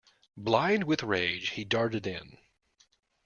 Blind with rage, he darted in.